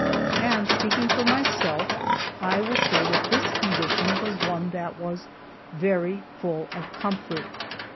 And, speaking for myself, I will say that this condition was one that was very "full of comfort."